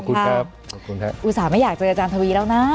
ขอบคุณครับอุตส่าห์ไม่อยากเจออาจารย์ทวีแล้วนะ